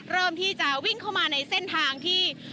เริ่มที่จะวิ่งเข้ามาในเส้นทางที่